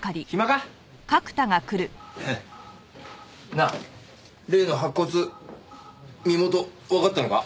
なあ例の白骨身元わかったのか？